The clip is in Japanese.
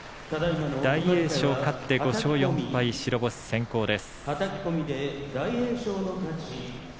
大栄翔、勝って５勝４敗白星先行です。